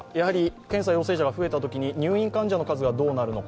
検査陽性者が増えたときに入院患者の数がどうなるのか